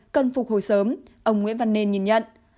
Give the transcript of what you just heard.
cần phục hồi sớm ông nguyễn văn nên nhìn nhận